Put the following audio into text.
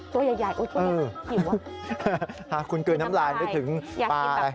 ตัวใหญ่โอ๊ยตัวใหญ่หิวว่ะคุณเกลือน้ำลายนึกถึงปลาอะไร